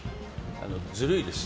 ずるいです。